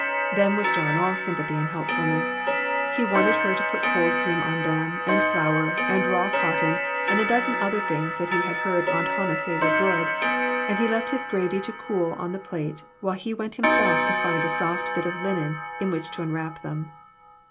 Then was John all sympathy and helpfulness. He wanted her to put cold cream on them, and flour, and raw 'cotton, and a dozen other things that he had heard Aunt Hannah say were good, and he left his gravy to cool on the plate, while he went himself to find a soft bit of linen in which to enwrap them.